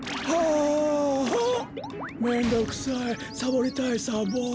あっあサボりたいサボ。